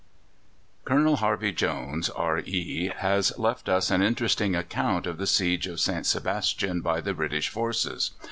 Colonel Harvey Jones, R.E., has left us an interesting account of the siege of St. Sebastian by the British forces.